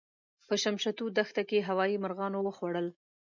په شمشتو دښته کې هوايي مرغانو وخوړل.